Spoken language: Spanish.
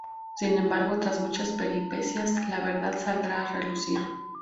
Sin embargo, tras muchas peripecias, la verdad saldrá a relucir.